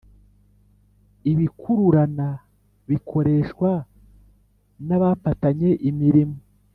ibikurururana bikoreshwa na bapatanye imirimo